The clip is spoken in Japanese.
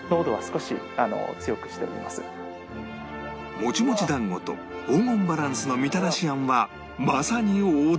モチモチ団子と黄金バランスのみたらし餡はまさに王道！